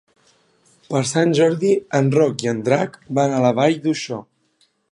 Per Sant Jordi en Roc i en Drac van a la Vall d'Uixó.